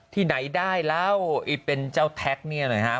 ที่ไหนได้แล้วอีกเป็นเจ้าแท็กเนี่ยเลยค่ะ